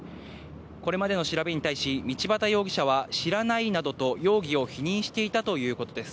これまでの調べに対し、道端容疑者は知らないなどと、容疑を否認していたということです。